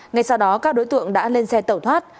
ngay sau đó các đối tượng đã lên xe tẩu thoát